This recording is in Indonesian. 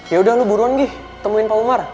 yaudah lo buruan gi temuin pak umar